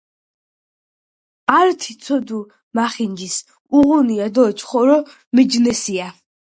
ართი ცოდა მახინჯის უღუნია დო ჩხორო – მინჯესია